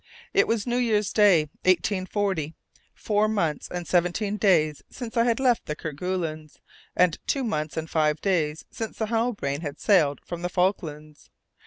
It was New Year's Day, 1840, four months and seventeen days since I had left the Kerguelens and two months and five days since the Halbrane had sailed from the Falklands.